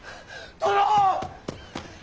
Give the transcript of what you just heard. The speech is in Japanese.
殿！